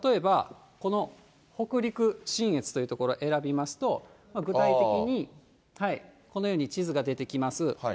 これを例えば、この北陸信越という所選びますと、具体的にこのように地図が出てきます。